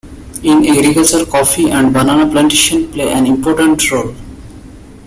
In agriculture, coffee and banana plantations play an important role.